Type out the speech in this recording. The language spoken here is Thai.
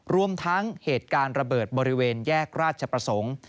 รวมทั้งเหตุการณ์ระเบิดบริเวณแยกราชประสงค์